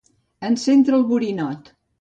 Encendre el borinot.